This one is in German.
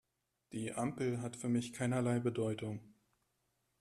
Die Ampel hat für mich keinerlei Bedeutung.